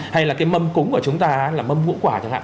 hay là cái mâm cúng của chúng ta là mâm ngũ quả chẳng hạn